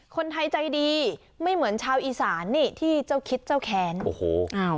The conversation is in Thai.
คนไทยใจดีไม่เหมือนชาวอีสานนี่ที่เจ้าคิดเจ้าแค้นโอ้โหอ้าว